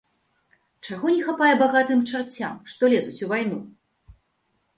Чаго не хапае багатым чарцям, што лезуць у вайну?